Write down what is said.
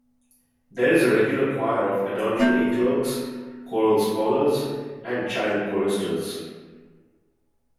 There is a regular choir of adult lay clerks, choral scholars and child choristers.